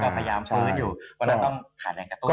ก็พยายามพื้นอยู่เพราะต้องขาดแรงการตัวอีก